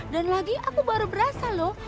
dan lagi aku baru berasa loh